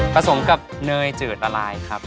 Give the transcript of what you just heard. สมกับเนยจืดละลายครับ